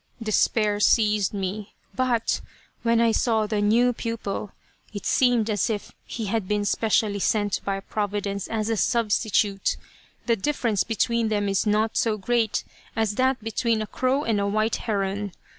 Despair seized me, but when I saw the new pupil it seemed as if he had been specially sent by Providence as a substitute. The difference between them is not so great as that between a crow and a white heron.